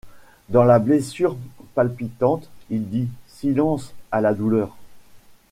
Dans la blessure palpitante Il dit: Silence! à la douleur.